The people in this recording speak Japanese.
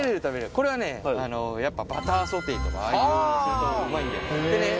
これはね、やっぱバターソテーとか、ああいう、うまいんだよ。